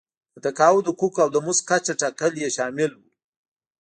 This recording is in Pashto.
د تقاعد حقوق او د مزد کچه ټاکل یې شامل وو.